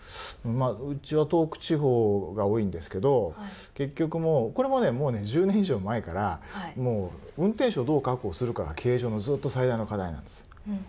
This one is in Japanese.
うちは東北地方が多いんですけど結局これももう１０年以上前から運転手をどう確保するかが経営上のずっと最大の課題なんです。